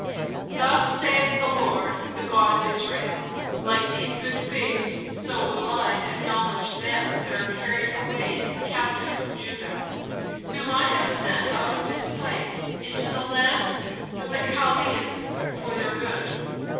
"Thus saith the Lord, the God of Israel, Like these good figs, so will I acknowledge them that are carried away captive of Judah, whom I have sent out of this place into the land of the Chaldeans for their good.